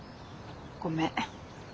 ごめん。